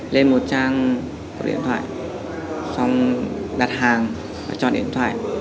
lên một trang có điện thoại xong đặt hàng và chọn điện thoại